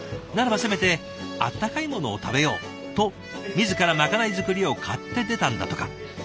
ならばせめて温かいものを食べようと自らまかない作りを買って出たんだとか。